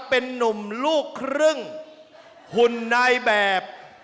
เป็นนุ่มลูกครึ่งหุ่นนายแบบ